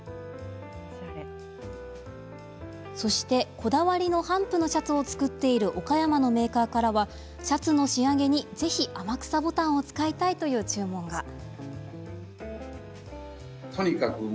そして、こだわりの帆布のシャツを作っている岡山のメーカーからはシャツの仕上げにぜひ天草ボタンを使いたいという注文が。